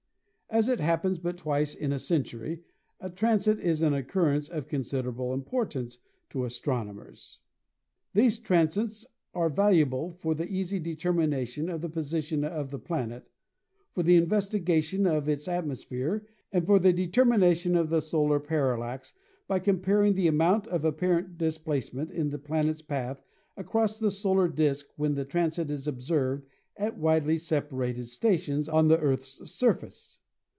As it happens but twice in a cen tury a transit is an occurrence of considerable importance to astronomers. These transits are valuable for the easy determination of the position of the planet, for the investigation of its atmosphere and for the determination of the solar paral lax by comparing the amount of apparent displacement in the planet's path across the solar disk when the transit is observed at widely separated stations on the Earth's surface.